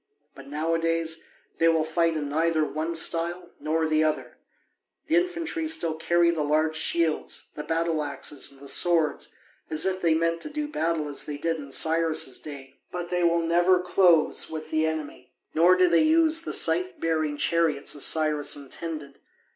But nowadays they will fight in neither one style nor the other. The infantry still carry the large shields, the battle axes, and the swords, as if they meant to do battle as they did in Cyrus' day. But they will never close with the enemy. Nor do they use the scythe bearing chariots as Cyrus intended.